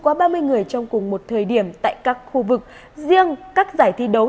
quá ba mươi người trong cùng một thời điểm tại các khu vực riêng các giải thi đấu